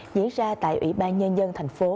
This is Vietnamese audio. diễn ra tại ủy ban nhân dân thành phố